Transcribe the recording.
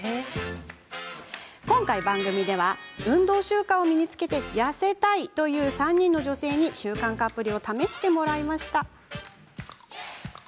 今回、番組では運動習慣を身につけて痩せたいという３人の女性に習慣化アプリを試してもらいました。